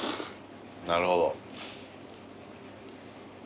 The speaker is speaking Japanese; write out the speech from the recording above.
なるほど。